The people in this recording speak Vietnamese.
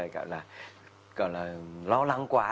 gọi là lo lắng quá